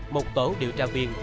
một tổ điều tra viên